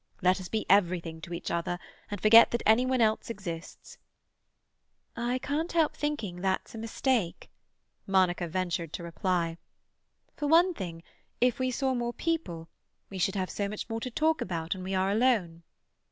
Let us be everything to each other, and forget that any one else exists." "I can't help thinking that's a mistake," Monica ventured to reply. "For one thing, if we saw more people, we should have so much more to talk about when we are alone."